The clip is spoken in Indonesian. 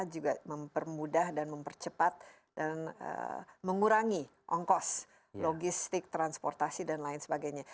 juga mempermudah dan mempercepat dan mengurangi ongkos logistik transportasi dan lain sebagainya